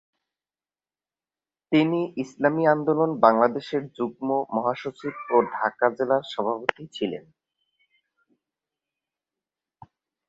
তিনি ইসলামী আন্দোলন বাংলাদেশের যুগ্ম মহাসচিব ও ঢাকা জেলার সভাপতি ছিলেন।